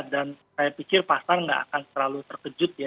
dan saya pikir pasar nggak akan terlalu terkejut ya